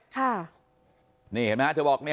เธอบอกเนี่ย